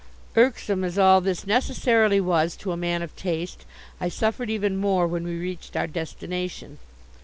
Irksome as all this necessarily was to a man of taste, I suffered even more when we reached our destination.